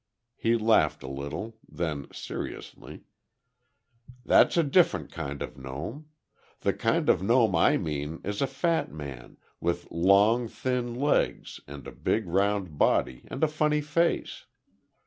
He laughed, a little; then, seriously: "That's a different kind of a gnome. The kind of a gnome I mean is a fat man, with long, thin legs and a big, round body and a funny face."